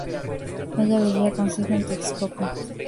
Ella vivía con su hijo en Texcoco.